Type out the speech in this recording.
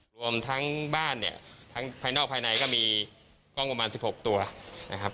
รวมทั้งบ้านเนี่ยทั้งภายนอกภายในก็มีกล้องประมาณ๑๖ตัวนะครับ